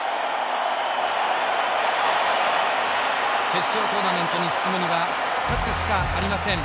決勝トーナメントに進むには勝つしかありません。